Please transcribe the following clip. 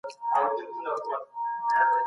موږ باید د حق دپاره هر ډول ستونزې وګالو.